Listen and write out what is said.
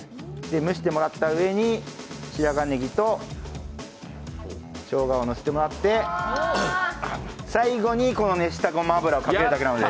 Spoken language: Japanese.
蒸してもらったうえに白髪ねぎとしょうがを乗せてもらって最後にこの熱したごま油をかけてもらうだけなので。